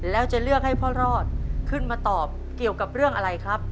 แล้วจะเลือกให้พ่อรอดขึ้นมาตอบเกี่ยวกับเรื่องอะไรครับ